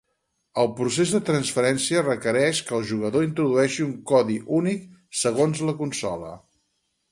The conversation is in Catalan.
El procés de transferència requereix que el jugador introdueixi un codi únic segons la consola.